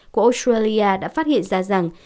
của australia đã phát hiện ra rằng